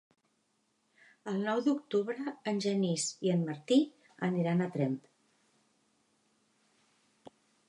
El nou d'octubre en Genís i en Martí aniran a Tremp.